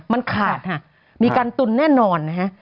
มันขาดค่ะมีการตุนแน่นอนนะฮะ